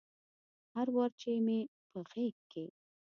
هر وار چې مې په غیږ کې